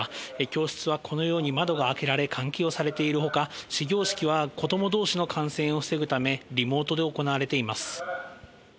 教室はこのように窓が開けられ、換気をされているほか、始業式は子どもどうしの感染を防ぐため、リモートで行われています。